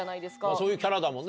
そういうキャラだもんね。